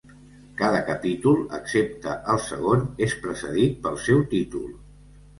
Cada capítol, excepte el segon, és precedit pel seu títol.